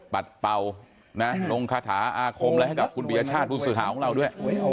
ปัดเป่าลงคาถาอาคมอะไรให้กับคุณปียชาติผู้สื่อข่าวของเราด้วย